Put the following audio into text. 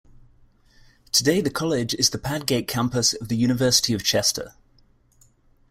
Today the college is the Padgate Campus of the University of Chester.